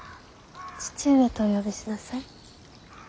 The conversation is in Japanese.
義父上とお呼びしなさい。